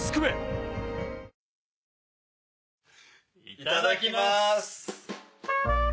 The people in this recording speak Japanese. いただきます。